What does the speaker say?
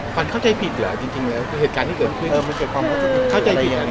ควรเข้าใจผิดเหรอจริงและโดยเหตุการณ์ที่เกิดขึ้น